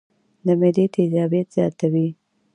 د معدې تېزابيت زياتوي